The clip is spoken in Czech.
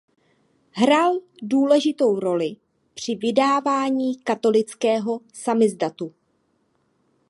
Hrál důležitou roli při vydávání katolického samizdatu.